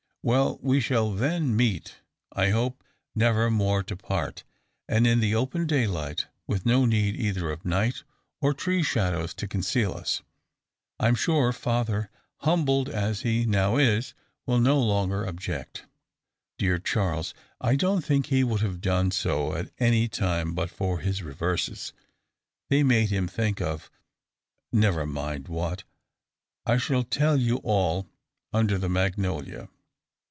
Well; we shall then meet, I hope, never more to part; and in the open daylight, with no need either of night, or tree shadows to conceal us. I'm sure father, humbled as he now is, will no longer object. Dear Charles, I don't think he would have done so at any time, but for his reverses. They made him think of never mind what. I shall tell you all under the magnolia.